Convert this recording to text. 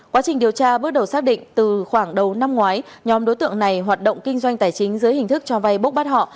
quá trình điều tra bước đầu xác định từ khoảng đầu năm ngoái nhóm đối tượng này hoạt động kinh doanh tài chính dưới hình thức cho vay bốc bắt họ